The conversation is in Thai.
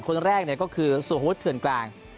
คนแรกเนี่ยก็คือสุภพฤทธิ์เถือนกลาง